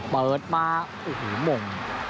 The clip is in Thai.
เปิดมาโอ้โหมง